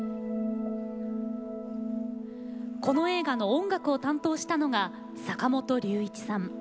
この映画の音楽を担当したのが坂本龍一さん。